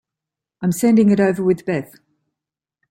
I'm sending it over with Beth.